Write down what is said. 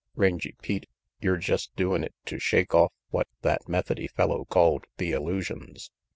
Rangy Pete, yer jest doin' it to shake off what that Methody fellow called the illusions.